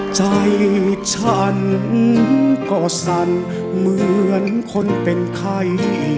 ใจฉันก็สั่นเหมือนคนเป็นใคร